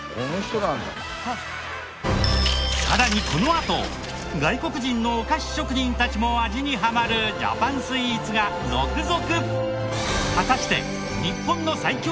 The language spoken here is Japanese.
さらにこのあと外国人のお菓子職人たちも味にハマるジャパンスイーツが続々！